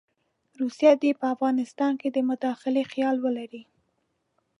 روسیه دې په افغانستان کې د مداخلې خیال ولري.